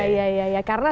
yeah yeah yeah